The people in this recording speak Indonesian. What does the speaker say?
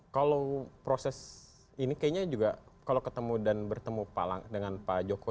kalau proses ini kayaknya juga kalau ketemu dan bertemu dengan pak jokowi